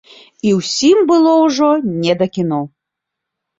І ўсім было ўжо не да кіно.